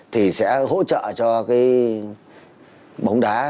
thì sẽ hỗ trợ cho cái bóng đá